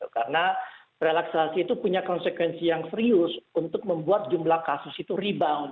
karena relaksasi itu punya konsekuensi yang serius untuk membuat jumlah kasus itu rebound